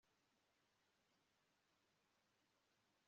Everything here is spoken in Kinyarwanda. ahubwo ibaha umutsima wavaga mu ijuru